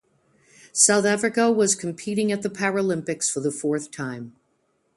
South Africa was competing at the Paralympics for the fourth time.